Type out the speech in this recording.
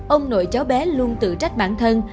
ông nội cháu bé luôn tự trách bản thân